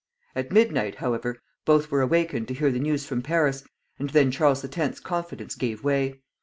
At midnight, however, both were awakened to hear the news from Paris, and then Charles X.'s confidence gave way.